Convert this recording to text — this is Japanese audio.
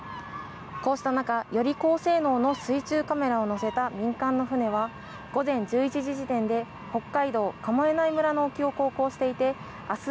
こうした中より高性能の水中カメラを載せた民間の船は午前１１時時点で北海道神恵内村の沖を航行していて明日